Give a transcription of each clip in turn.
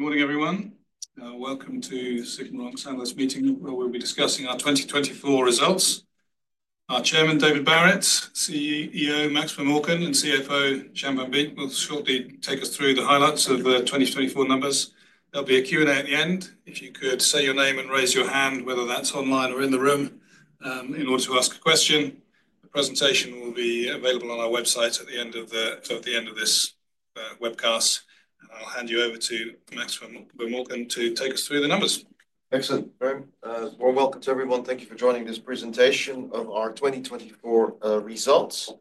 Good morning, everyone. Welcome to the SigmaRoc Annual's meeting, where we'll be discussing our 2024 results. Our Chairman, David Barrett, CEO, Maximilian Vermorken, and CFO, Jan van Beek, will shortly take us through the highlights of the 2024 numbers. There'll be a Q&A at the end. If you could say your name and raise your hand, whether that's online or in the room, in order to ask a question. The presentation will be available on our website at the end of this webcast, and I'll hand you over to Maximilian Vermorken to take us through the numbers. Excellent. Very welcome to everyone. Thank you for joining this presentation of our 2024 results.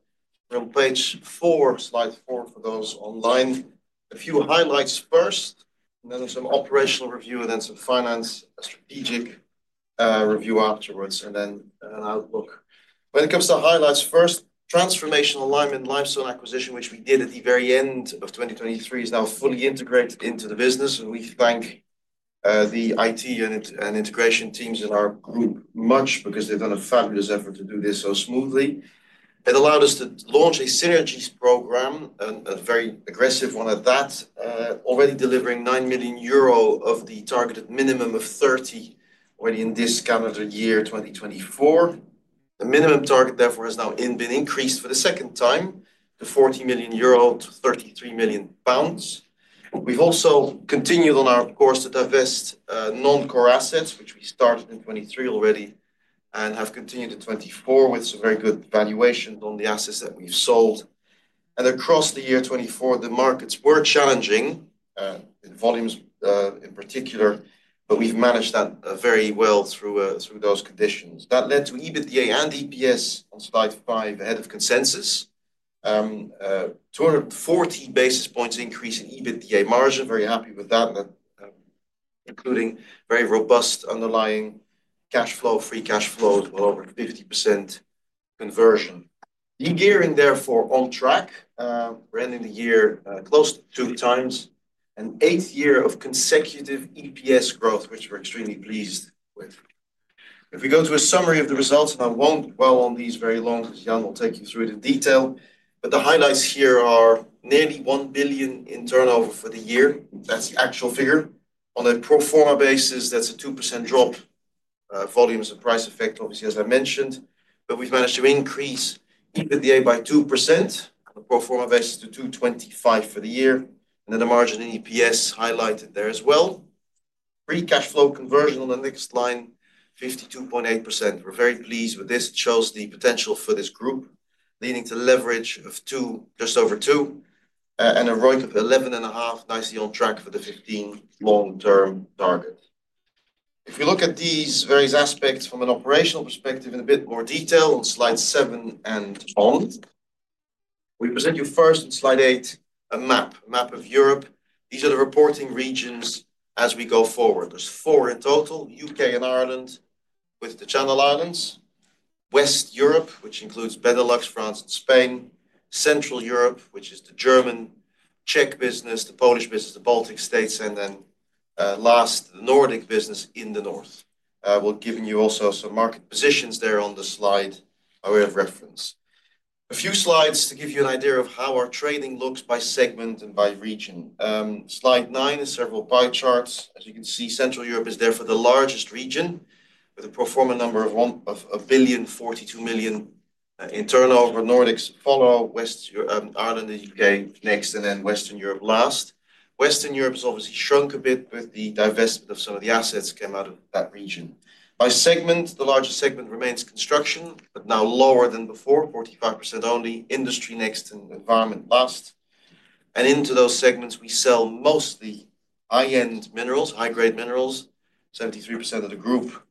We are on page four, slide four, for those online. A few highlights first, and then some operational review, and then some finance strategic review afterwards, and then an outlook. When it comes to highlights, first, transformational alignment, limestone acquisition, which we did at the very end of 2023, is now fully integrated into the business. We thank the IT and integration teams in our group much because they have done a fabulous effort to do this so smoothly. It allowed us to launch a synergies program, a very aggressive one at that, already delivering 9 million euro of the targeted minimum of 30 million already in this calendar year, 2024. The minimum target, therefore, has now been increased for the second time to 40 million euro to 33 million pounds. have also continued on our course to divest non-core assets, which we started in 2023 already and have continued in 2024 with some very good valuations on the assets that we have sold. Across the year 2024, the markets were challenging, volumes in particular, but we have managed that very well through those conditions. That led to EBITDA and EPS on slide five ahead of consensus, a 240 basis points increase in EBITDA margin. Very happy with that, including very robust underlying cash flow, free cash flow, as well over 50% conversion. We are gearing, therefore, on track. We are ending the year close to two times, an eighth year of consecutive EPS growth, which we are extremely pleased with. If we go to a summary of the results, and I won't dwell on these very long because Jan will take you through it in detail, but the highlights here are nearly 1 billion in turnover for the year. That's the actual figure. On a pro forma basis, that's a 2% drop. Volumes and price effect, obviously, as I mentioned, but we've managed to increase EBITDA by 2% on a pro forma basis to 225 million for the year. The margin in EPS highlighted there as well. Free cash flow conversion on the next line, 52.8%. We're very pleased with this. It shows the potential for this group, leading to leverage of just over 2, and a ROIC of 11.5%, nicely on track for the 15% long-term target. If we look at these various aspects from an operational perspective in a bit more detail on slide seven and on, we present you first on slide eight, a map, a map of Europe. These are the reporting regions as we go forward. There are four in total: U.K. and Ireland with the Channel Islands, West Europe, which includes Benelux, France, and Spain, Central Europe, which is the German, Czech business, the Polish business, the Baltic states, and then last, the Nordic business in the north. We're giving you also some market positions there on the slide as a way of reference. A few slides to give you an idea of how our trading looks by segment and by region. Slide nine is several pie charts. As you can see, Central Europe is there for the largest region, with a pro forma number of 1 billion, 42 million in turnover. Nordics follow, West Ireland and U.K. next, and then Western Europe last. Western Europe has obviously shrunk a bit with the divestment of some of the assets that came out of that region. By segment, the largest segment remains construction, but now lower than before, 45% only, industry next and environment last. Into those segments, we sell mostly high-end minerals, high-grade minerals, 73% of the group,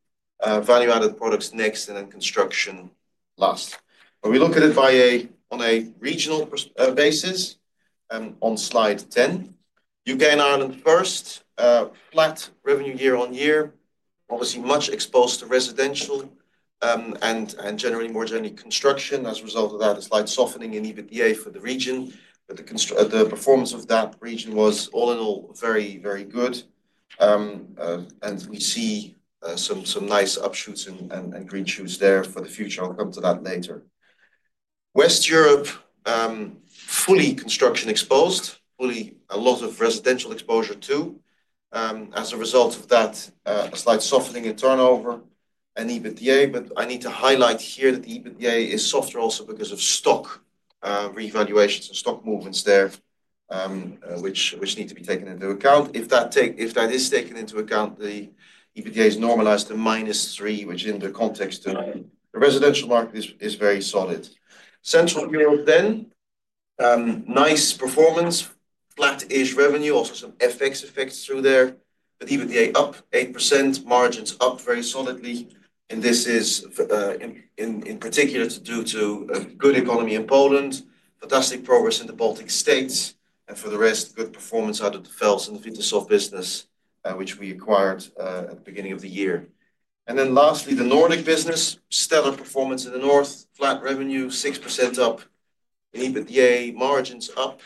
value-added products next, and then construction last. When we look at it on a regional basis, on slide ten, U.K. and Ireland first, flat revenue year on year, obviously much exposed to residential and generally more generally construction. As a result of that, a slight softening in EBITDA for the region, but the performance of that region was all in all very, very good. We see some nice upshoots and green shoots there for the future. I'll come to that later. West Europe, fully construction exposed, fully a lot of residential exposure too. As a result of that, a slight softening in turnover and EBITDA. I need to highlight here that the EBITDA is softer also because of stock revaluations and stock movements there, which need to be taken into account. If that is taken into account, the EBITDA is normalized to minus 3, which in the context of the residential market is very solid. Central Europe then, nice performance, flat-ish revenue, also some FX effects through there, but EBITDA up 8%, margins up very solidly. This is in particular to do to good economy in Poland, fantastic progress in the Baltic states, and for the rest, good performance out of the FELS and the Vitasoft business, which we acquired at the beginning of the year. Lastly, the Nordic business, stellar performance in the north, flat revenue, 6% up in EBITDA, margins up.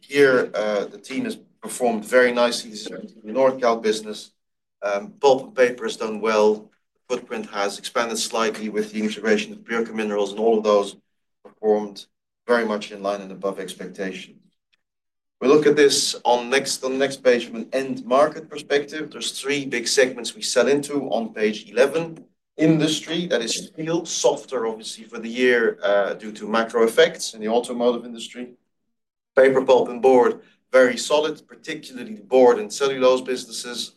Here, the team has performed very nicely. This is the Nordkalk business. Pulp and paper has done well. Footprint has expanded slightly with the integration of Björka Mineral and all of those performed very much in line and above expectations. We look at this on the next page from an end market perspective. There are three big segments we sell into on page 11. Industry, that is still softer obviously for the year due to macro effects in the automotive industry. Paper, pulp, and board, very solid, particularly the board and cellulose businesses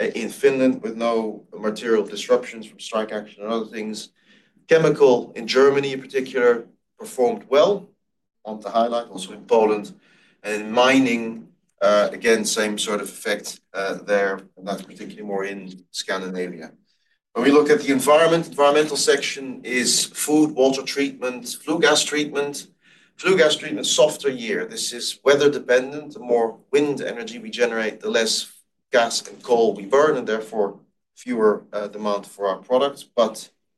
in Finland with no material disruptions from strike action and other things. Chemical in Germany in particular performed well, want to highlight also in Poland. Mining, again, same sort of effect there, and that's particularly more in Scandinavia. When we look at the environment, the environmental section is food, water treatment, flue gas treatment. Flue gas treatment, softer year. This is weather dependent. The more wind energy we generate, the less gas and coal we burn, and therefore fewer demand for our products.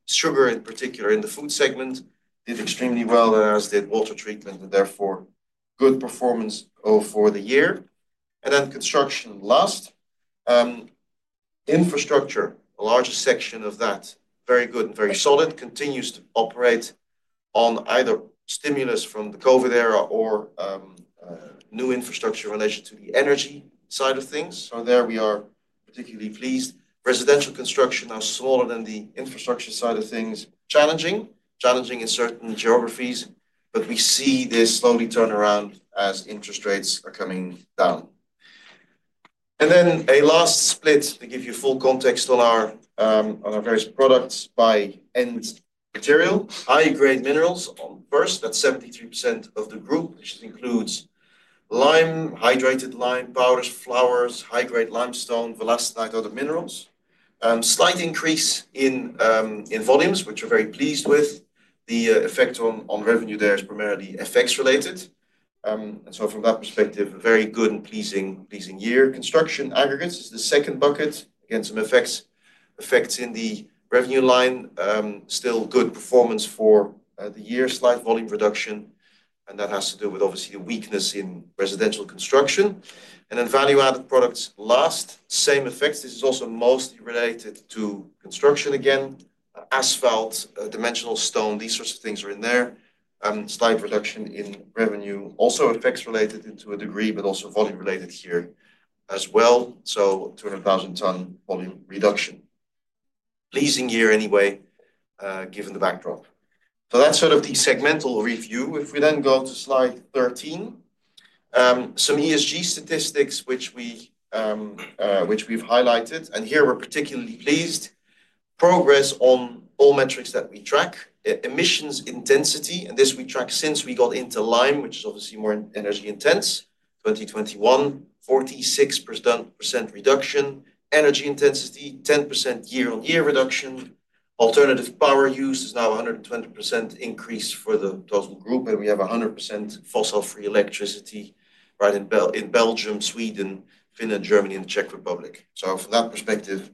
Sugar in particular in the food segment did extremely well, whereas did water treatment, and therefore good performance for the year. Construction last. Infrastructure, the largest section of that, very good and very solid, continues to operate on either stimulus from the COVID era or new infrastructure in relation to the energy side of things. We are particularly pleased. Residential construction now smaller than the infrastructure side of things, challenging, challenging in certain geographies, but we see this slowly turn around as interest rates are coming down. A last split to give you full context on our various products by end material. High-grade minerals first, that's 73% of the group, which includes lime, hydrated lime powders, flours, high-grade limestone, wollastonite, other minerals. Slight increase in volumes, which we're very pleased with. The effect on revenue there is primarily FX related. From that perspective, a very good and pleasing year. Construction aggregates is the second bucket against some effects in the revenue line. Still good performance for the year, slight volume reduction, and that has to do with obviously the weakness in residential construction. Value-added products last, same effects. This is also mostly related to construction again. Asphalt, dimensional stone, these sorts of things are in there. Slight reduction in revenue, also effects related to a degree, but also volume related here as well. 200,000-ton volume reduction. Pleasing year anyway, given the backdrop. That is sort of the segmental review. If we then go to slide 13, some ESG statistics, which we've highlighted, and here we're particularly pleased. Progress on all metrics that we track, emissions intensity, and this we track since we got into lime, which is obviously more energy intense. 2021, 46% reduction. Energy intensity, 10% year-on-year reduction. Alternative power use is now 120% increase for the total group, and we have 100% fossil-free electricity right in Belgium, Sweden, Finland, Germany, and the Czech Republic. From that perspective,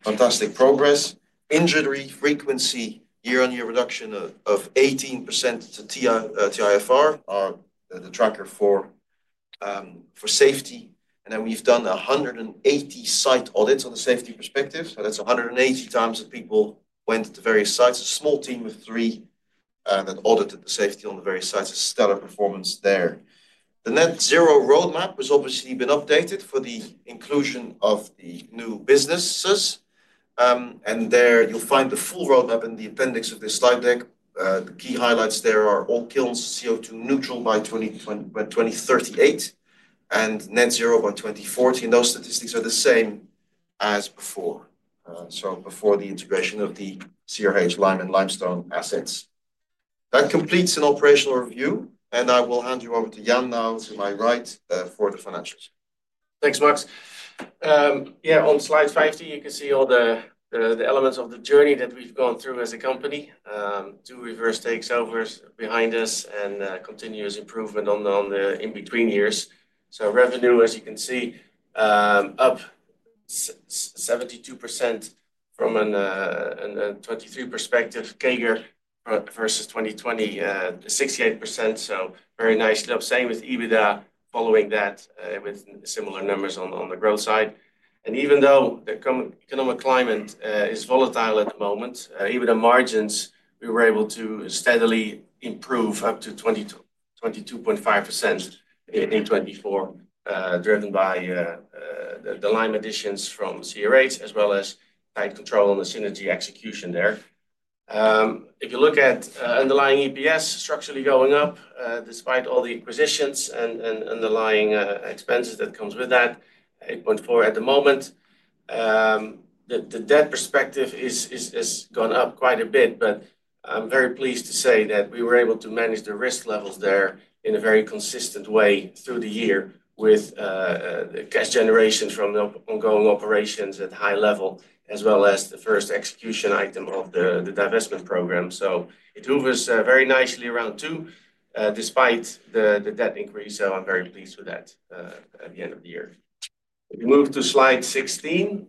fantastic progress. Injury frequency, year-on-year reduction of 18% to TIFR, the tracker for safety. We have done 180 site audits on the safety perspective. That is 180 times that people went to various sites. A small team of three that audited the safety on the various sites is stellar performance there. The net zero roadmap has obviously been updated for the inclusion of the new businesses. There you will find the full roadmap in the appendix of this slide deck. The key highlights there are all kilns CO2 neutral by 2038 and net zero by 2040. Those statistics are the same as before, so before the integration of the CRH lime and limestone assets. That completes an operational review, and I will hand you over to Jan now to my right for the financials. Thanks, Max. Yeah, on slide 50, you can see all the elements of the journey that we've gone through as a company. Two reverse takeovers behind us and continuous improvement in between years. Revenue, as you can see, up 72% from a 2023 perspective, CAGR versus 2020, 68%. Very nice. Same with EBITDA following that with similar numbers on the growth side. Even though the economic climate is volatile at the moment, EBITDA margins, we were able to steadily improve up to 22.5% in 2024, driven by the lime additions from CRH, as well as tight control on the synergy execution there. If you look at underlying EPS, structurally going up despite all the acquisitions and underlying expenses that comes with that, 8.4 at the moment. The debt perspective has gone up quite a bit, but I'm very pleased to say that we were able to manage the risk levels there in a very consistent way through the year with cash generation from the ongoing operations at high level, as well as the first execution item of the divestment program. It moves very nicely around two, despite the debt increase. I'm very pleased with that at the end of the year. If we move to slide 16,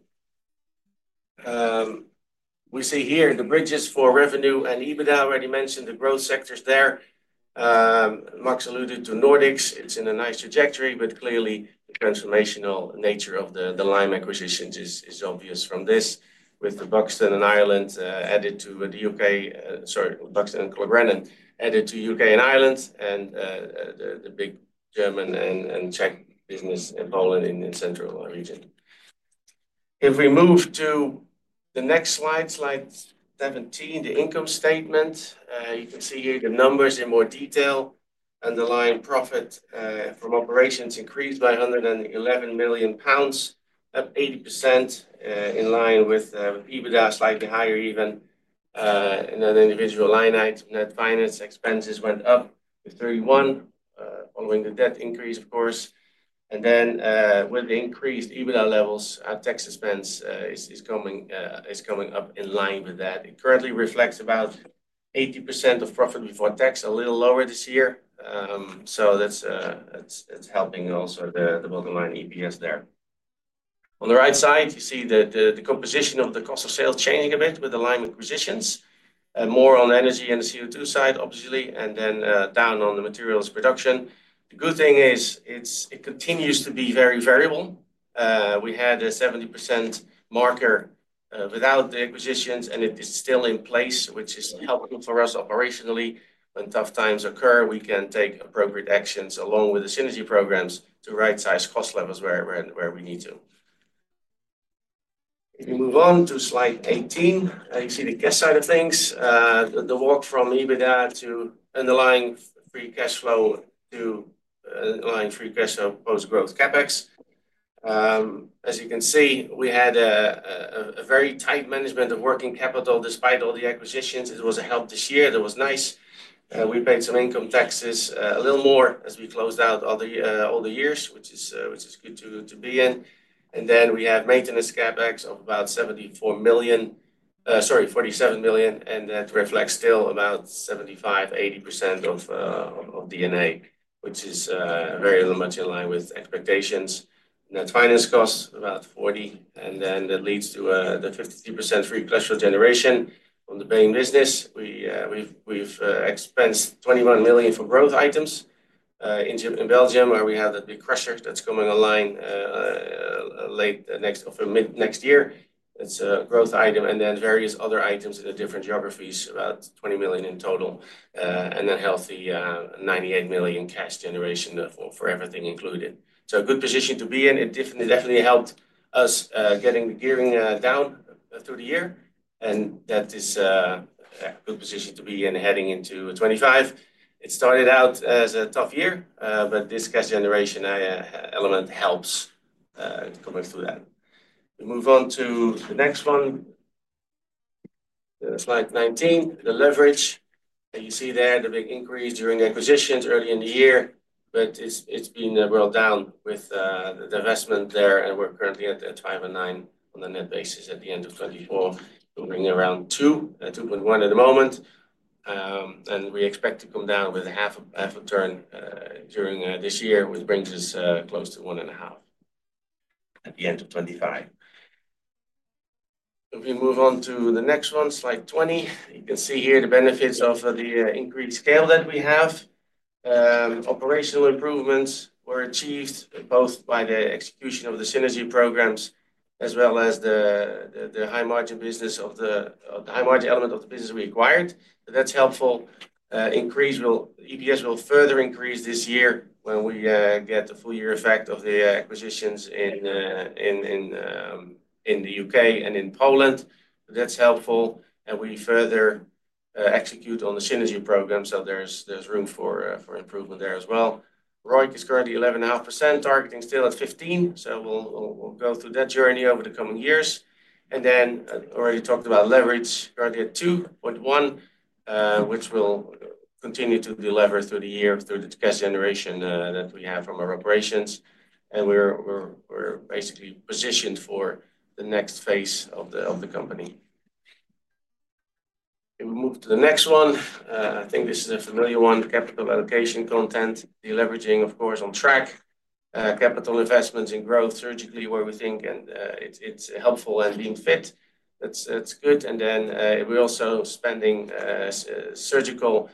we see here the bridges for revenue and EBITDA. I already mentioned the growth sectors there. Max alluded to Nordics. It's in a nice trajectory, but clearly the transformational nature of the lime acquisitions is obvious from this, with the Buxton and Clogrennane added to U.K. and Ireland, and the big German and Czech business in Poland in the central region. If we move to the next slide, slide 17, the income statement, you can see here the numbers in more detail. Underlying profit from operations increased by 111 million pounds, up 80%, in line with EBITDA, slightly higher even in an individual line item. Net finance expenses went up to 31 following the debt increase, of course. With the increased EBITDA levels, tax expense is coming up in line with that. It currently reflects about 80% of profit before tax, a little lower this year. That is helping also the bottom line EPS there. On the right side, you see the composition of the cost of sales changing a bit with the lime acquisitions, more on energy and the CO2 side, obviously, and then down on the materials production. The good thing is it continues to be very variable. We had a 70% marker without the acquisitions, and it is still in place, which is helpful for us operationally. When tough times occur, we can take appropriate actions along with the synergy programs to right-size cost levels where we need to. If we move on to slide 18, you see the guest side of things, the walk from EBITDA to underlying free cash flow to underlying free cash flow post-growth CapEx. As you can see, we had a very tight management of working capital despite all the acquisitions. It was a help this year. That was nice. We paid some income taxes a little more as we closed out all the years, which is good to be in. We have maintenance CapEx of about 47 million, and that reflects still about 75-80% of DNA, which is very much in line with expectations. Net finance costs about 40 million, and that leads to the 53% free cash flow generation on the paying business. We have expensed 21 million for growth items in Belgium, where we have the big crusher that's coming online late next or mid next year. It's a growth item, and then various other items in the different geographies, about 20 million in total. A healthy 98 million cash generation for everything included. A good position to be in. It definitely helped us getting the gearing down through the year, and that is a good position to be in heading into 2025. It started out as a tough year, but this cash generation element helps coming through that. We move on to the next one, slide 19, the leverage. You see there the big increase during acquisitions early in the year, but it's been well down with the divestment there, and we're currently at 5 and 9 on the net basis at the end of 2024, moving around 2, 2.1 at the moment. We expect to come down with a half a turn during this year, which brings us close to one and a half at the end of 2025. If we move on to the next one, slide 20, you can see here the benefits of the increased scale that we have. Operational improvements were achieved both by the execution of the synergy programs as well as the high-margin business of the high-margin element of the business we acquired. That's helpful. EPS will further increase this year when we get the full year effect of the acquisitions in the U.K. and in Poland. That's helpful. We further execute on the synergy program, so there's room for improvement there as well. ROIC is currently 11.5%, targeting still at 15%, so we'll go through that journey over the coming years. I already talked about leverage, currently at 2.1x, which will continue to deliver through the year through the cash generation that we have from our operations. We're basically positioned for the next phase of the company. If we move to the next one, I think this is a familiar one, capital allocation content. The leveraging, of course, on track, capital investments in growth surgically where we think it's helpful and being fit. That's good. Then we're also spending surgical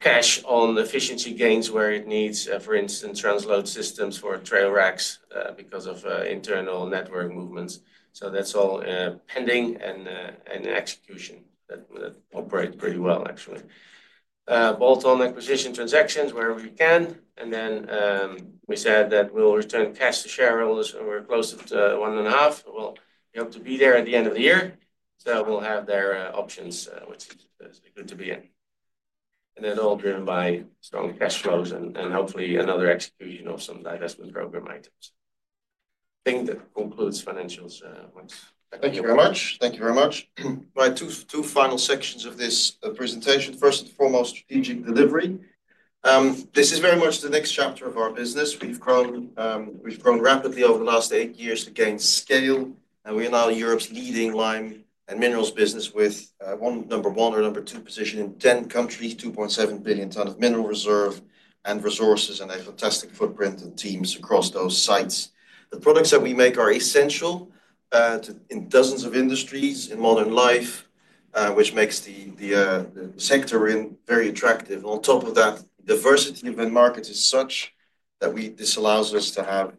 cash on efficiency gains where it needs, for instance, transload systems for trail racks because of internal network movements. That's all pending and in execution. That operates pretty well, actually. Bolt-on acquisition transactions where we can. We said that we'll return cash to shareholders when we're close to one and a half. We hope to be there at the end of the year. We'll have their options, which is good to be in. All driven by strong cash flows and hopefully another execution of some divestment program items. I think that concludes financials. Thank you very much. My two final sections of this presentation. First and foremost, strategic delivery. This is very much the next chapter of our business. We have grown rapidly over the last eight years to gain scale. We are now Europe's leading lime and minerals business with number one or number two position in 10 countries, 2.7 billion ton of mineral reserve and resources, and a fantastic footprint and teams across those sites. The products that we make are essential in dozens of industries in modern life, which makes the sector very attractive. The diversity of the market is such that this allows us to have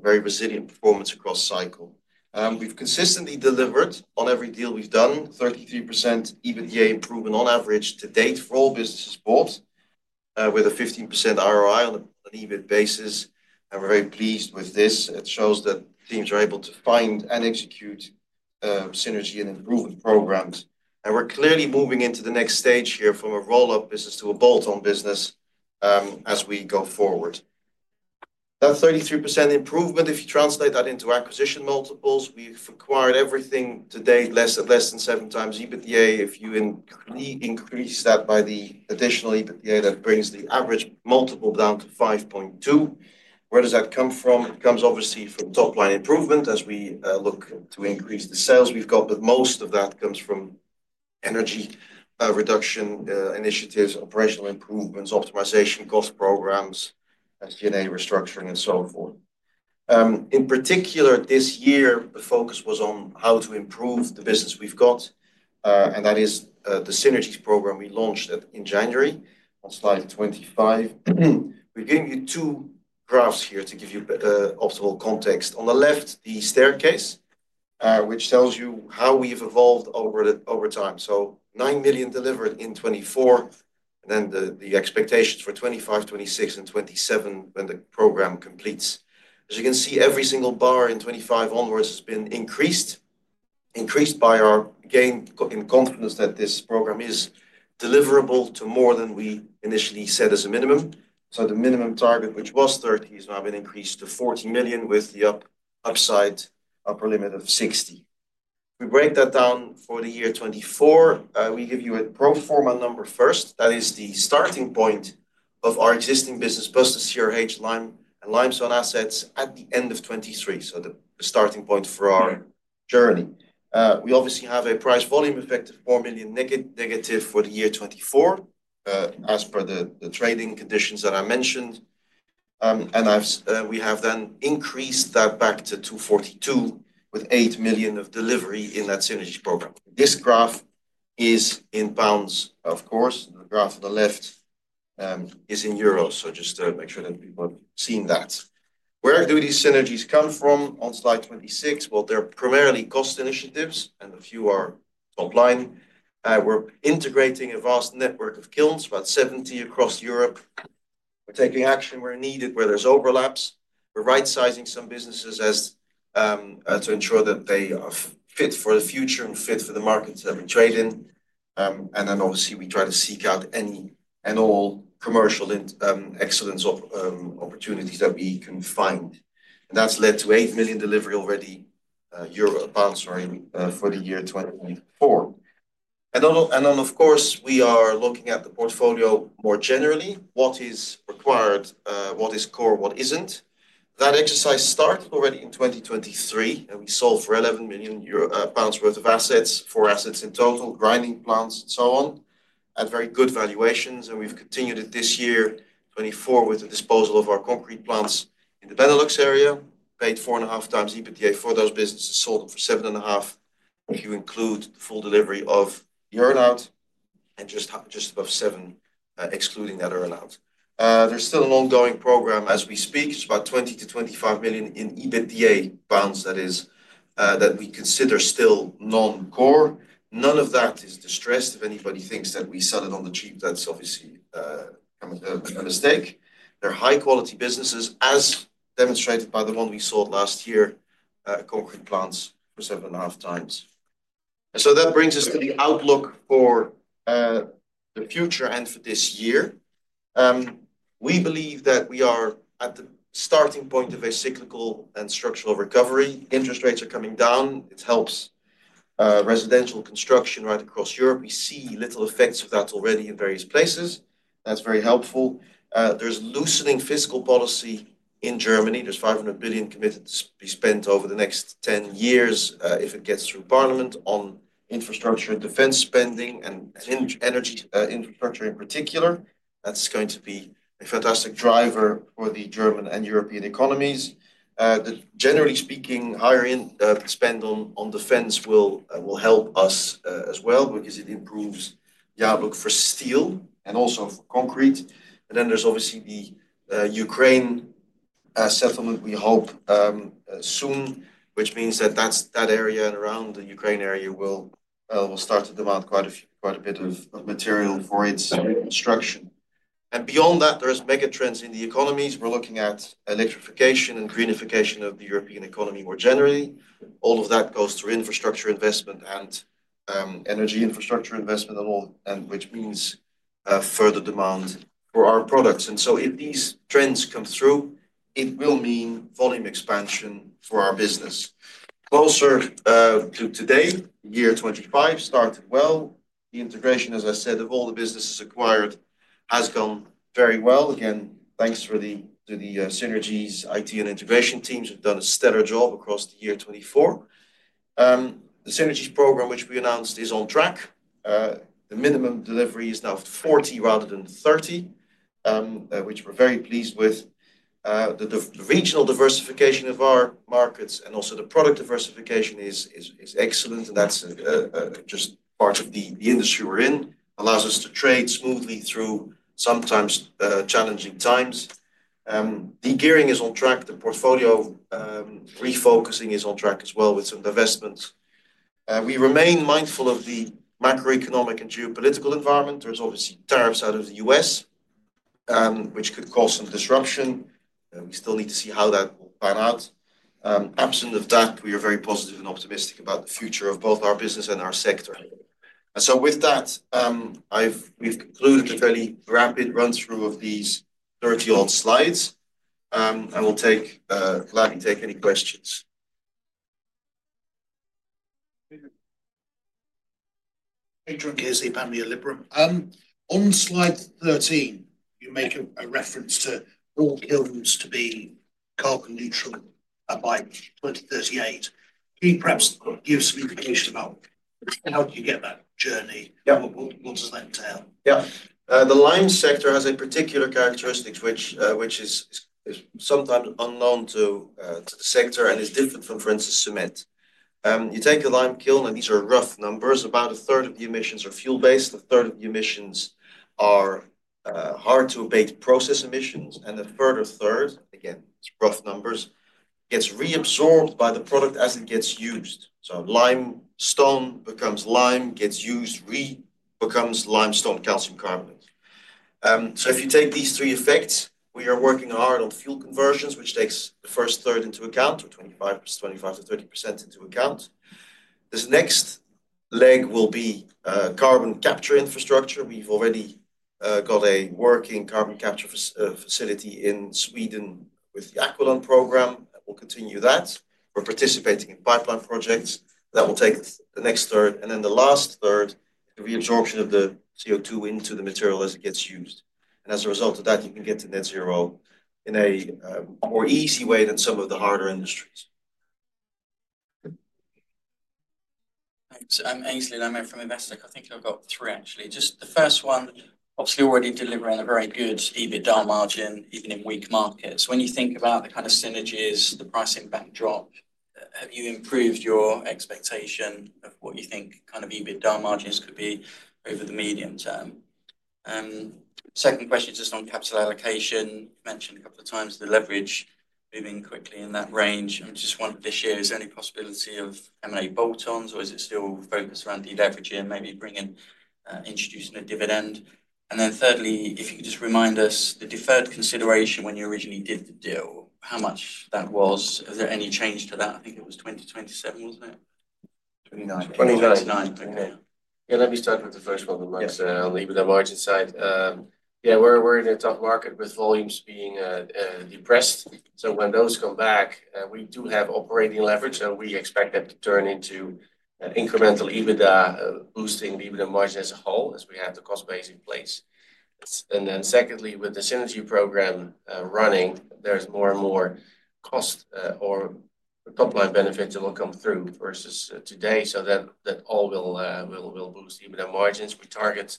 very resilient performance across cycle. We have consistently delivered on every deal we have done, 33% EBITDA improvement on average to date for all businesses bought, with a 15% ROI on an EBIT basis. We are very pleased with this. It shows that teams are able to find and execute synergy and improvement programs. We are clearly moving into the next stage here from a roll-up business to a bolt-on business as we go forward. That 33% improvement, if you translate that into acquisition multiples, we have acquired everything to date less than seven times EBITDA. If you increase that by the additional EBITDA, that brings the average multiple down to 5.2. Where does that come from? It comes obviously from top-line improvement as we look to increase the sales we have, but most of that comes from energy reduction initiatives, operational improvements, optimization cost programs, SG&A restructuring, and so forth. In particular, this year, the focus was on how to improve the business we have, and that is the synergies program we launched in January on slide 25. We've given you two graphs here to give you optimal context. On the left, the staircase, which tells you how we've evolved over time. So 9 million delivered in 2024, and then the expectations for 2025, 2026, and 2027 when the program completes. As you can see, every single bar in 2025 onwards has been increased, increased by our gain in confidence that this program is deliverable to more than we initially set as a minimum. The minimum target, which was 30 million, has now been increased to 40 million with the upside upper limit of 60 million. If we break that down for the year 2024, we give you a pro forma number first. That is the starting point of our existing business, both the CRH lime and limestone assets at the end of 2023, so the starting point for our journey. We obviously have a price volume effect of 4 million negative for the year 2024, as per the trading conditions that I mentioned. We have then increased that back to 242 million with 8 million of delivery in that synergy program. This graph is in pounds, of course. The graph on the left is in euros, just to make sure that people have seen that. Where do these synergies come from on slide 26? They are primarily cost initiatives, and a few are top line. We are integrating a vast network of kilns, about 70 across Europe. We are taking action where needed, where there are overlaps. We are right-sizing some businesses to ensure that they are fit for the future and fit for the markets that we trade in. Obviously, we try to seek out any and all commercial excellence opportunities that we can find. That has led to 8 million delivery already for the year 2024. Of course, we are looking at the portfolio more generally. What is required? What is core? What is not? That exercise started already in 2023, and we sold for 11 million pounds worth of assets, four assets in total, grinding plants, and so on, at very good valuations. We have continued it this year, 2024, with the disposal of our concrete plants in the Benelux area. We paid four and a half times EBITDA for those businesses, sold them for seven and a half, if you include the full delivery of the earnout, and just above seven, excluding that earnout. There is still an ongoing program as we speak. It is about 20-25 million in EBITDA that we consider still non-core. None of that is distressed. If anybody thinks that we sell it on the cheap, that's obviously a mistake. They're high-quality businesses, as demonstrated by the one we sold last year, concrete plants for 7.5 times. That brings us to the outlook for the future and for this year. We believe that we are at the starting point of a cyclical and structural recovery. Interest rates are coming down. It helps residential construction right across Europe. We see little effects of that already in various places. That's very helpful. There's loosening fiscal policy in Germany. There's 500 billion committed to be spent over the next 10 years if it gets through parliament on infrastructure and defense spending and energy infrastructure in particular. That's going to be a fantastic driver for the German and European economies. Generally speaking, higher spend on defense will help us as well because it improves the outlook for steel and also for concrete. There is obviously the Ukraine settlement we hope soon, which means that that area and around the Ukraine area will start to demand quite a bit of material for its construction. Beyond that, there are megatrends in the economies. We are looking at electrification and greenification of the European economy more generally. All of that goes through infrastructure investment and energy infrastructure investment, which means further demand for our products. If these trends come through, it will mean volume expansion for our business. Closer to today, year 2025 started well. The integration, as I said, of all the businesses acquired has gone very well. Again, thanks to the synergies, IT, and integration teams who have done a stellar job across the year 2024. The synergy program, which we announced, is on track. The minimum delivery is now 40 rather than 30, which we're very pleased with. The regional diversification of our markets and also the product diversification is excellent, and that's just part of the industry we're in. It allows us to trade smoothly through sometimes challenging times. De-gearing is on track. The portfolio refocusing is on track as well with some divestments. We remain mindful of the macroeconomic and geopolitical environment. There are obviously tariffs out of the U.S., which could cause some disruption. We still need to see how that will pan out. Absent of that, we are very positive and optimistic about the future of both our business and our sector. With that, we've concluded a fairly rapid run-through of these 30-odd slides. I will gladly take any questions. Adrian Gavin here, Simeon. On slide 13, you make a reference to all kilns to be carbon neutral by 2038. Can you perhaps give some indication about how do you get that journey? What does that entail? Yeah. The lime sector has particular characteristics, which is sometimes unknown to the sector and is different from, for instance, cement. You take a lime kiln, and these are rough numbers. About a third of the emissions are fuel-based. A third of the emissions are hard-to-abate process emissions. And a further third, again, it's rough numbers, gets reabsorbed by the product as it gets used. So limestone becomes lime, gets used, re-becomes limestone, calcium carbonate. If you take these three effects, we are working hard on fuel conversions, which takes the first third into account, or 25-30% into account. This next leg will be carbon capture infrastructure. We've already got a working carbon capture facility in Sweden with the Aqualung program. We'll continue that. We're participating in pipeline projects. That will take the next third. The last third is the reabsorption of the CO2 into the material as it gets used. As a result of that, you can get to net zero in a more easy way than some of the harder industries. Thanks. I'm Aynsley Lammin from Investec. I think I've got three, actually. Just the first one, obviously already delivering a very good EBITDA margin, even in weak markets. When you think about the kind of synergies, the price impact drop, have you improved your expectation of what you think kind of EBITDA margins could be over the medium term? Second question is just on capital allocation. You've mentioned a couple of times the leverage moving quickly in that range. I just wondered this year, is there any possibility of M&A bolt-ons, or is it still focused around deleveraging and maybe introducing a dividend? Thirdly, if you could just remind us the deferred consideration when you originally did the deal, how much that was. Is there any change to that? I think it was 2027, wasn't it? 29. 29. Okay. Yeah, let me start with the first one on the margin side. Yeah, we're in a tough market with volumes being depressed. When those come back, we do have operating leverage, and we expect that to turn into incremental EBITDA, boosting the EBITDA margin as a whole as we have the cost base in place. Secondly, with the synergy program running, there's more and more cost or top-line benefits that will come through versus today. That all will boost EBITDA margins. We target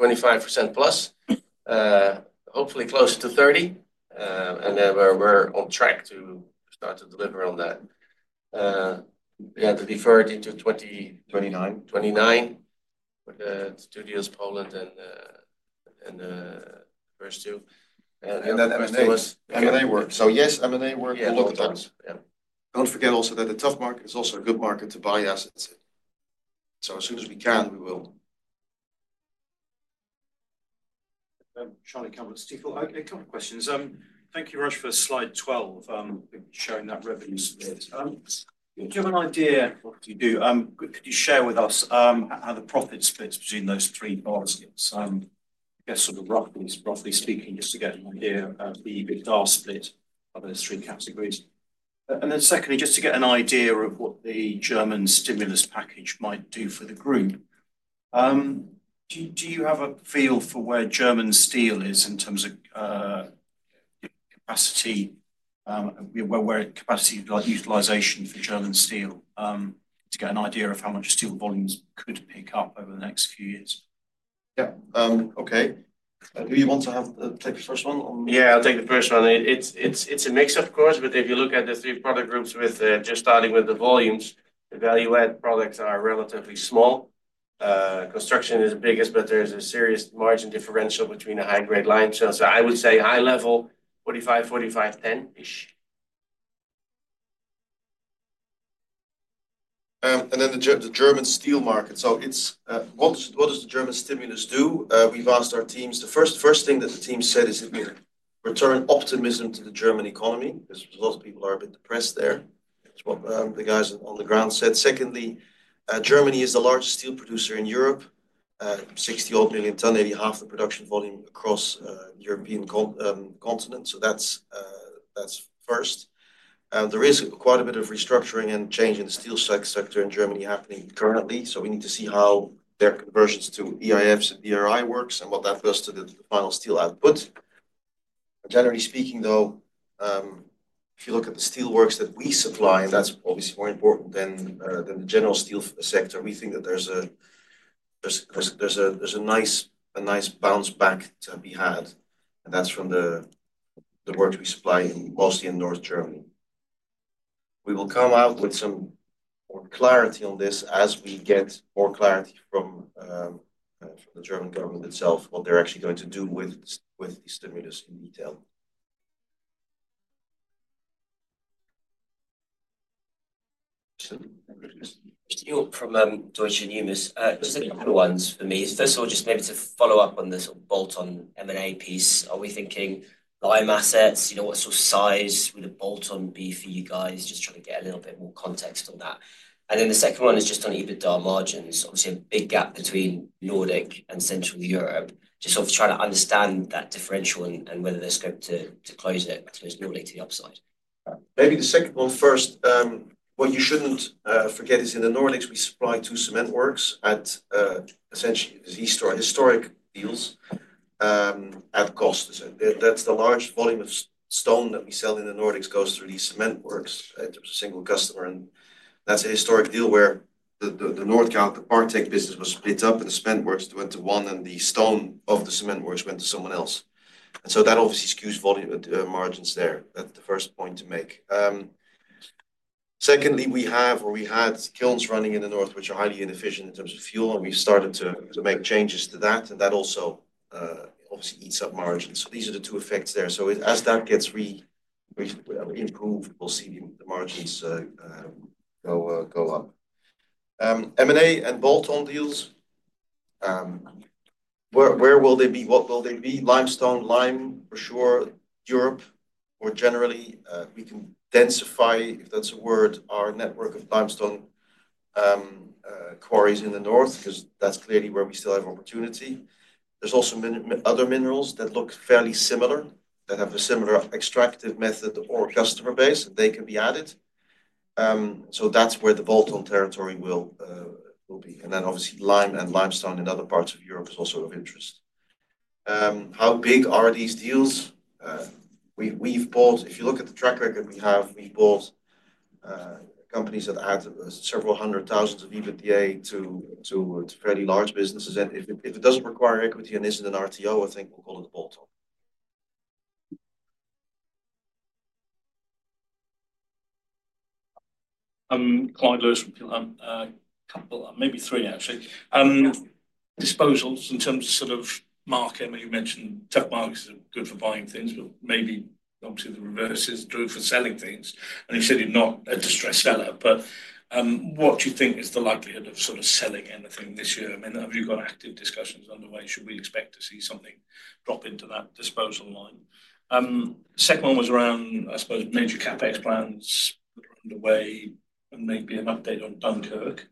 25%+, hopefully closer to 30, and we're on track to start to deliver on that. Yeah, the deferred into 2020. 29. 29. With the studios, Poland and the first two. That is M&A work. Yes, M&A work. Yeah, of course. Yeah. not forget also that the tough market is also a good market to buy assets. As soon as we can, we will. Charlie Campbell at Stifel. A couple of questions. Thank you, Rush, for slide 12, showing that revenue split. Do you have an idea of what you do? Could you share with us how the profit splits between those three markets? I guess sort of roughly speaking, just to get an idea of the EBITDA split of those three categories. Secondly, just to get an idea of what the German stimulus package might do for the group. Do you have a feel for where German steel is in terms of capacity, where capacity utilization for German steel, to get an idea of how much steel volumes could pick up over the next few years? Yeah. Okay. Do you want to take the first one? Yeah, I'll take the first one. It's a mix, of course, but if you look at the three product groups just starting with the volumes, the value-add products are relatively small. Construction is the biggest, but there's a serious margin differential between the high-grade line. So I would say high-level, 45, 45, 10-ish. The German steel market. What does the German stimulus do? We've asked our teams. The first thing that the team said is it would return optimism to the German economy, because a lot of people are a bit depressed there, is what the guys on the ground said. Secondly, Germany is the largest steel producer in Europe, 60-odd million ton, maybe half the production volume across the European continent. That is first. There is quite a bit of restructuring and change in the steel sector in Germany happening currently. We need to see how their conversions to EAFs and DRI works and what that does to the final steel output. Generally speaking, though, if you look at the steel works that we supply, and that is obviously more important than the general steel sector, we think that there is a nice bounce back to be had. That is from the work we supply, mostly in North Germany. We will come out with some more clarity on this as we get more clarity from the German government itself, what they are actually going to do with the stimulus in detail. Steel from Deutsche Numis. Just a couple of ones for me. First of all, just maybe to follow up on the sort of bolt-on M&A piece. Are we thinking lime assets? What sort of size would a bolt-on be for you guys? Just trying to get a little bit more context on that. The second one is just on EBITDA margins. Obviously, a big gap between Nordic and Central Europe. Just sort of trying to understand that differential and whether there's scope to close it, close Nordic to the upside. Maybe the second one first. What you shouldn't forget is in the Nordics, we supply two cement works at essentially historic deals at cost. That's the large volume of stone that we sell in the Nordics goes through these cement works. It's a single customer. That's a historic deal where the Nordkraft, the Partek business, was split up, and the cement works went to one, and the stone of the cement works went to someone else. That obviously skews volume margins there. That's the first point to make. Secondly, we have or we had kilns running in the north, which are highly inefficient in terms of fuel, and we've started to make changes to that. That also obviously eats up margins. These are the two effects there. As that gets improved, we'll see the margins go up. M&A and bolt-on deals, where will they be? What will they be? Limestone, lime for sure. Europe, more generally, we can densify, if that's a word, our network of limestone quarries in the north, because that's clearly where we still have opportunity. There's also other minerals that look fairly similar, that have a similar extractive method or customer base, and they can be added. That is where the bolt-on territory will be. Obviously, lime and limestone in other parts of Europe is also of interest. How big are these deals? If you look at the track record we have, we've bought companies that add several hundred thousand of EBITDA to fairly large businesses. If it doesn't require equity and isn't an RTO, I think we'll call it a bolt-on. Quite loose. A couple, maybe three, actually. Disposals in terms of sort of market. You mentioned tech markets are good for buying things, but maybe obviously the reverse is true for selling things. You said you're not a distressed seller. What do you think is the likelihood of sort of selling anything this year? I mean, have you got active discussions underway? Should we expect to see something drop into that disposal line? The second one was around, I suppose, major CapEx plans that are underway and maybe an update on Dunkirk.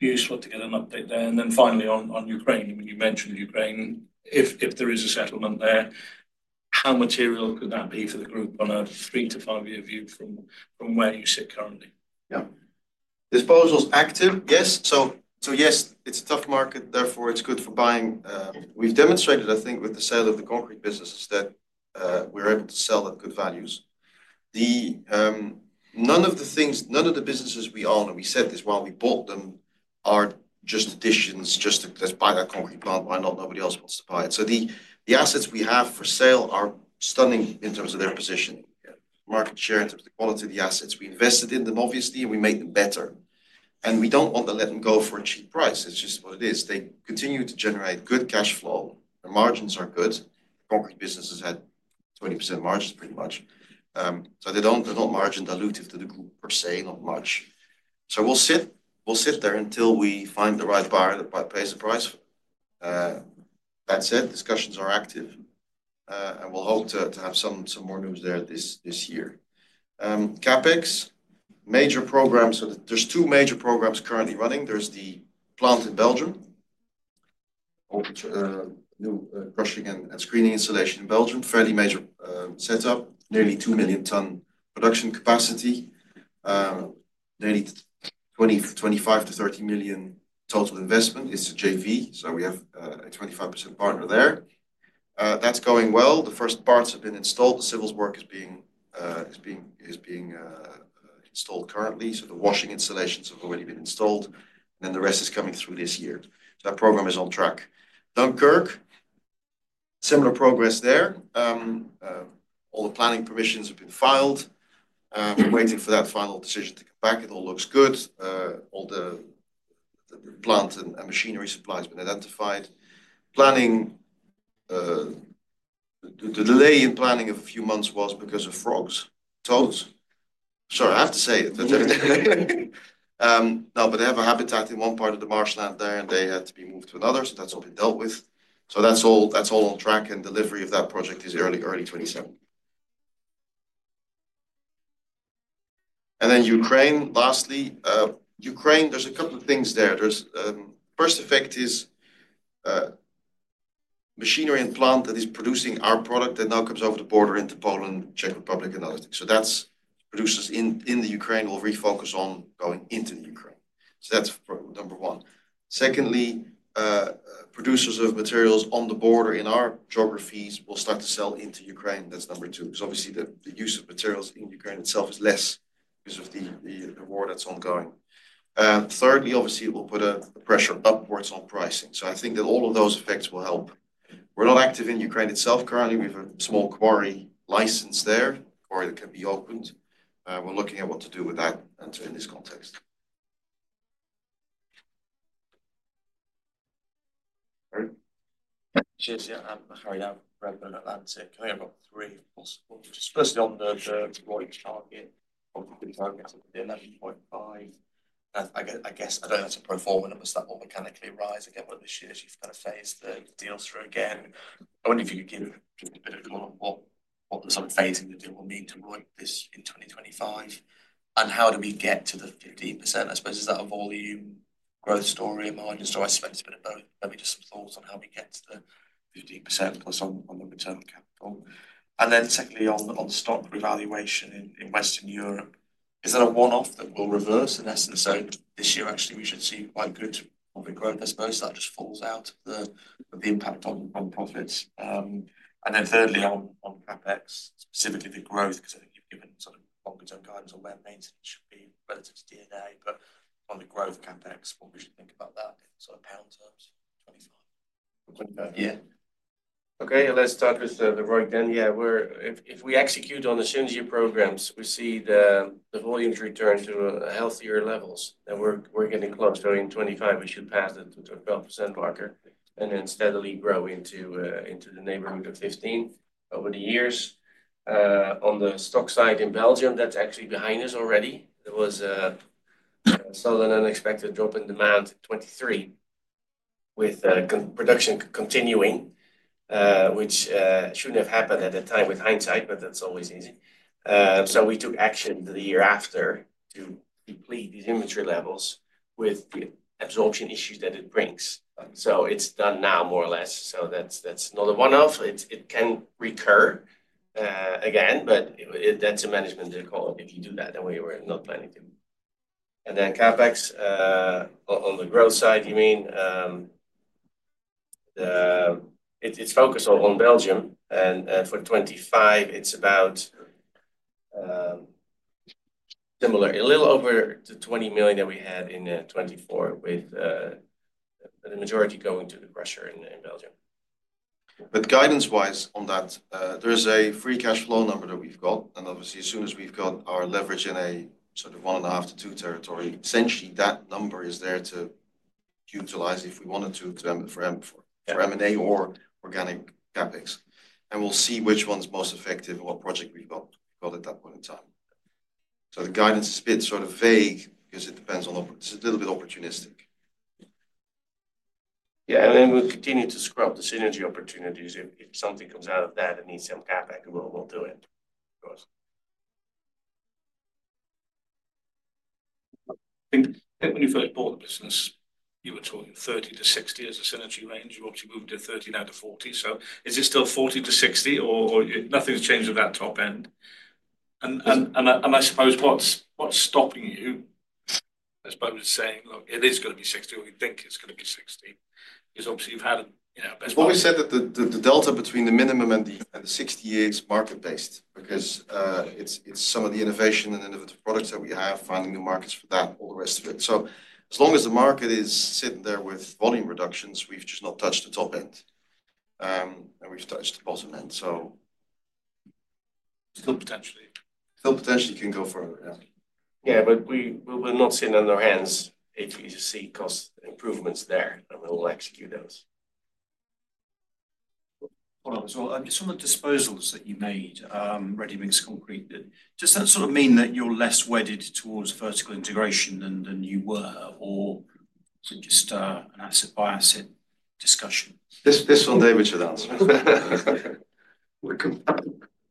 Be useful to get an update there. Finally on Ukraine, I mean, you mentioned Ukraine. If there is a settlement there, how material could that be for the group on a three to five-year view from where you sit currently? Yeah. Disposals active, yes. Yes, it's a tough market. Therefore, it's good for buying. We've demonstrated, I think, with the sale of the concrete businesses that we're able to sell at good values. None of the things, none of the businesses we own, and we said this while we bought them, are just additions, just to let's buy that concrete plant. Why not? Nobody else wants to buy it. The assets we have for sale are stunning in terms of their positioning, market share in terms of the quality of the assets. We invested in them, obviously, and we made them better. We don't want to let them go for a cheap price. It's just what it is. They continue to generate good cash flow. The margins are good. Concrete businesses had 20% margins, pretty much. They're not margin dilutive to the group per se, not much. We'll sit there until we find the right buyer that pays the price. That said, discussions are active, and we'll hope to have some more news there this year. CapEx, major programs. There are two major programs currently running. There's the plant in Belgium, new crushing and screening installation in Belgium, fairly major setup, nearly 2 million ton production capacity, nearly 25 million-30 million total investment. It's a JV, so we have a 25% partner there. That's going well. The first parts have been installed. The civils work is being installed currently. The washing installations have already been installed. The rest is coming through this year. That program is on track. Dunkirk, similar progress there. All the planning permissions have been filed. We're waiting for that final decision to come back. It all looks good. All the plant and machinery supply has been identified. The delay in planning of a few months was because of frogs. Toes. Sorry, I have to say it. No, but they have a habitat in one part of the marshland there, and they had to be moved to another. That has all been dealt with. That is all on track, and delivery of that project is early 2027. Ukraine, lastly. Ukraine, there are a couple of things there. First effect is machinery and plant that is producing our product that now comes over the border into Poland, Czech Republic, and others. Producers in Ukraine will refocus on going into Ukraine. That is number one. Secondly, producers of materials on the border in our geographies will start to sell into Ukraine. That is number two. Because obviously, the use of materials in Ukraine itself is less because of the war that's ongoing. Thirdly, obviously, it will put a pressure upwards on pricing. I think that all of those effects will help. We're not active in Ukraine itself currently. We have a small quarry license there, quarry that can be opened. We're looking at what to do with that in this context. Cheers. Yeah, I'm Harry at Redburn Atlantic. I think I've got three possible. Especially on the right target, obviously targeted at 11.5. I guess I don't know if the pro forma numbers that will mechanically rise. Again, one of the shares you've kind of phased the deal through again. I wonder if you could give a bit of a call on what the sort of phasing of the deal will mean to right this in 2025. How do we get to the 15%? I suppose is that a volume growth story and margin story? I suspect it's a bit of both. Maybe just some thoughts on how we get to the 15% plus on the return on capital. Secondly, on stock revaluation in Western Europe, is there a one-off that will reverse in essence? This year, actually, we should see quite good profit growth, I suppose. That just falls out of the impact on profits. Thirdly, on CapEx, specifically the growth, because I think you've given sort of longer-term guidance on where maintenance should be relative to DNA. On the growth CapEx, what should we think about that in pound terms? 25. Okay. Let's start with the right then. Yeah, if we execute on the synergy programs, we see the volumes return to healthier levels. And we're getting close. In 2025, we should pass the 12% marker and then steadily grow into the neighborhood of 15 over the years. On the stock side in Belgium, that's actually behind us already. There was a sudden unexpected drop in demand in 2023 with production continuing, which shouldn't have happened at the time with hindsight, but that's always easy. We took action the year after to deplete these inventory levels with the absorption issues that it brings. It's done now, more or less. That's not a one-off. It can recur again, but that's a management difficulty. If you do that, then we were not planning to. CapEx on the growth side, you mean? It's focused on Belgium. For 2025, it's about a little over the 20 million that we had in 2024, with the majority going to the crusher in Belgium. Guidance-wise on that, there is a free cash flow number that we've got. Obviously, as soon as we've got our leverage in a sort of one-and-a-half to two territory, essentially that number is there to utilize if we wanted to for M&A or organic CapEx. We'll see which one's most effective and what project we've got at that point in time. The guidance is a bit sort of vague because it depends on a little bit opportunistic. Yeah, and then we'll continue to scrub the synergy opportunities. If something comes out of that and needs some CapEx, we'll do it. I think when you first bought the business, you were talking 30-60 as a synergy range. You obviously moved to 39-40. Is it still 40-60, or nothing's changed at that top end? I suppose what's stopping you? I suppose saying, "Look, it is going to be 60," or you think it's going to be 60, is obviously you've had a best. It's what we said that the delta between the minimum and the 60 is market-based because it's some of the innovation and innovative products that we have, finding new markets for that, all the rest of it. As long as the market is sitting there with volume reductions, we've just not touched the top end. We've touched the bottom end, so. Still potentially. Still potentially can go further, yeah. Yeah, but we're not sitting on our hands to see cost improvements there, and we'll execute those. Hold on. Some of the disposals that you made, ready-mix concrete, does that sort of mean that you're less wedded towards vertical integration than you were, or is it just an asset-by-asset discussion? This will David should answer. We're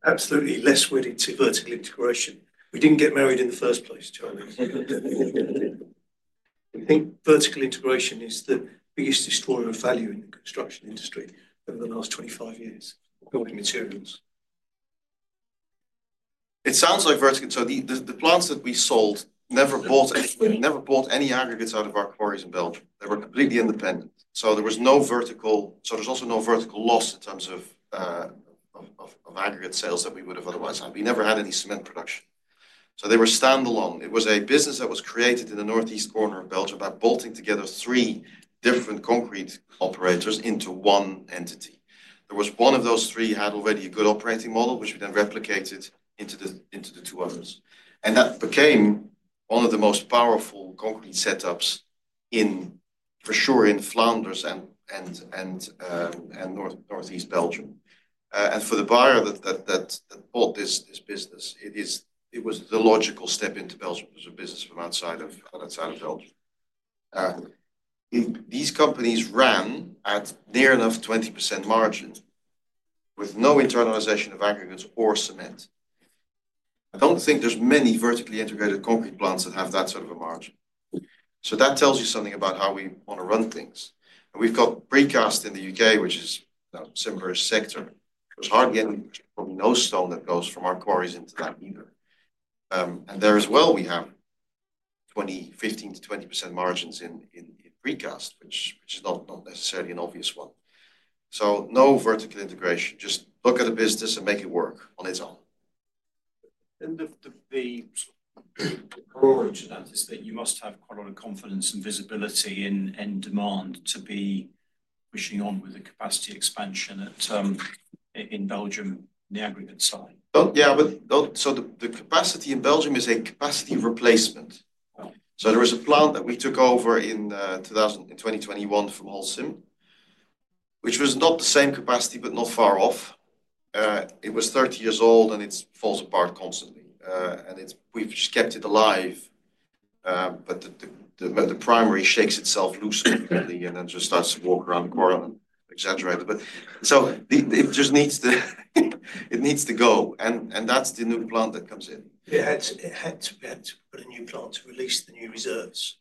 absolutely less wedded to vertical integration. We didn't get married in the first place, Joe. I think vertical integration is the biggest destroyer of value in the construction industry over the last 25 years building materials. It sounds like vertical. The plants that we sold never bought anything, never bought any aggregates out of our quarries in Belgium. They were completely independent. There was no vertical. There is also no vertical loss in terms of aggregate sales that we would have otherwise had. We never had any cement production. They were standalone. It was a business that was created in the northeast corner of Belgium by bolting together three different concrete operators into one entity. One of those three had already a good operating model, which we then replicated into the two others. That became one of the most powerful concrete setups for sure in Flanders and northeast Belgium. For the buyer that bought this business, it was the logical step into Belgium as a business from outside of Belgium. These companies ran at near enough 20% margin with no internalization of aggregates or cement. I do not think there are many vertically integrated concrete plants that have that sort of a margin. That tells you something about how we want to run things. We have Precast in the U.K., which is a similar sector. There is hardly any stone that goes from our quarries into that either. There as well, we have 15-20% margins in Precast, which is not necessarily an obvious one. No vertical integration. Just look at the business and make it work on its own. The approach to that is that you must have quite a lot of confidence and visibility in demand to be pushing on with the capacity expansion in Belgium, the aggregate side. Yeah, the capacity in Belgium is a capacity replacement. There was a plant that we took over in 2021 from Holcim, which was not the same capacity, but not far off. It was 30 years old, and it falls apart constantly. We've just kept it alive. The primary shakes itself loosely and then just starts to walk around the quarry and exaggerate. It just needs to go. That's the new plant that comes in. Yeah, it's had to put a new plant to release the new reserves.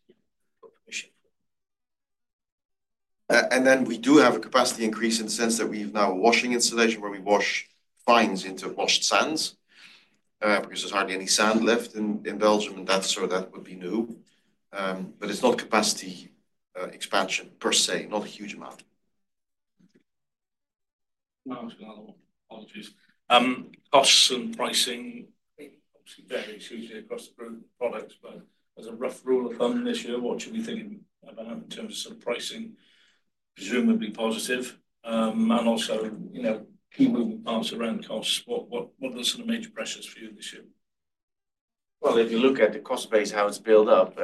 We do have a capacity increase in the sense that we have now a washing installation where we wash fines into washed sands because there's hardly any sand left in Belgium. That would be new. It is not capacity expansion per se, not a huge amount. Costs and pricing obviously vary across the group of products, but as a rough rule of thumb this year, what should we think about in terms of pricing? Presumably positive. Also key moving parts around costs. What are the sort of major pressures for you this year? If you look at the cost base, how it's built up,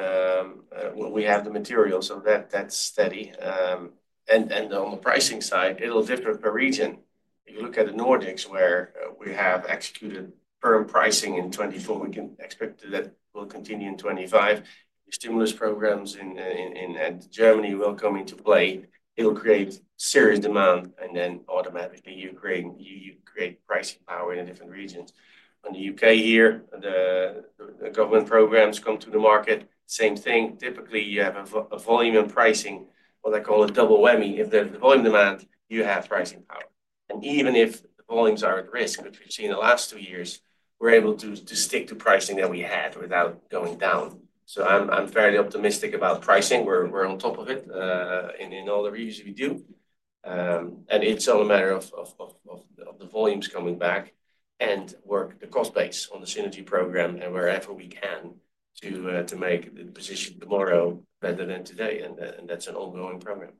we have the materials, so that's steady. On the pricing side, it'll differ per region. If you look at the Nordics, where we have executed firm pricing in 2024, we can expect that will continue in 2025. The stimulus programs in Germany will come into play. It'll create serious demand. Automatically, you create pricing power in different regions. On the U.K. here, the government programs come to the market. Same thing. Typically, you have a volume and pricing, what I call a double whammy. If there's volume demand, you have pricing power. Even if the volumes are at risk, which we've seen the last two years, we're able to stick to pricing that we had without going down. I'm fairly optimistic about pricing. We're on top of it in all the regions we do. It's all a matter of the volumes coming back and work the cost base on the synergy program and wherever we can to make the position tomorrow better than today. That's an ongoing program.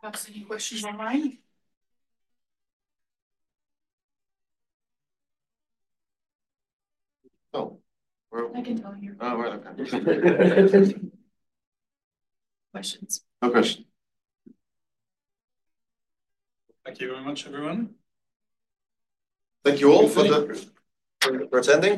Perhaps any questions online? Oh, we're okay. Questions. No question. Thank you very much, everyone. Thank you all for the. For presenting.